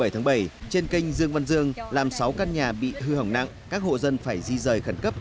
trên kênh dương văn dương làm sáu căn nhà bị hư hỏng nặng các hộ dân phải di rời khẩn cấp